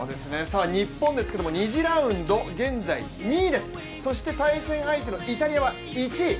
日本ですけど、２次ラウンド、現在２位です、そして対戦相手のイタリアは１位。